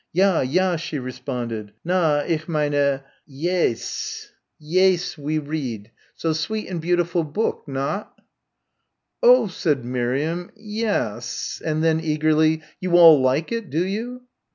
"D'ja, d'ja," she responded, "na, ich meine, yace, yace we read so sweet and beautiful book not?" "Oh," said Miriam, "yes ..." and then eagerly, "you all like it, do you?"